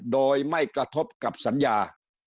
โดยไม่กระทบกับสัญญา